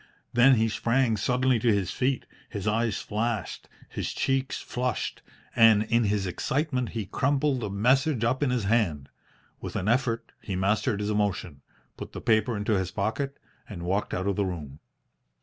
Then he sprang suddenly to his feet, his eyes flashed, his cheeks flushed, and in his excitement he crumpled the message up in his hand. With an effort he mastered his emotion, put the paper into his pocket, and walked out of the room.